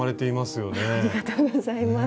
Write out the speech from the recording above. ありがとうございます。